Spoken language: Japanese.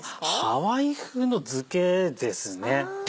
ハワイ風の漬けですね。